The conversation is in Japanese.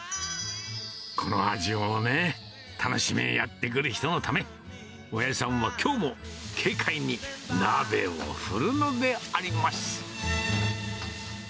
この味をね、楽しみにやって来る人のため、おやじさんはきょうも軽快に鍋を振るのであります。